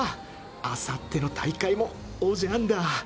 あさっての大会もオジャンだ